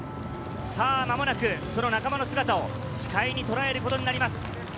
まもなくその仲間の姿を視界にとらえることになります。